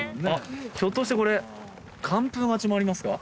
ひょっとしてこれ完封勝ちもありますか？